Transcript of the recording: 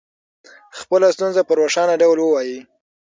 خپله ستونزه په روښانه ډول ووایئ.